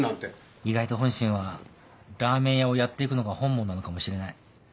意外と本心はラーメン屋をやっていくのが本望なのかもしれない。